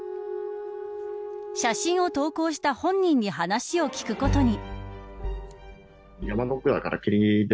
写真を投稿した本人に話を聞くことに。